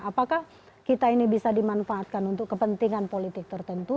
apakah kita ini bisa dimanfaatkan untuk kepentingan politik tertentu